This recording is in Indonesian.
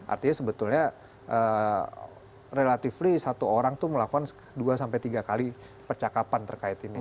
artinya sebetulnya relatively satu orang itu melakukan dua sampai tiga kali percakapan terkait ini